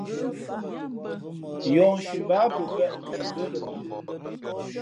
Yǒhnshi báá pəpēʼ tα mbʉά lα bᾱ.